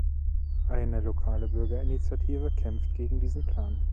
Eine lokale Bürgerinitiative kämpft gegen diesen Plan.